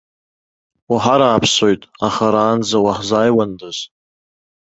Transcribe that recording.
Уҳарааԥсоит, аха аранӡа уаҳзааиуандаз!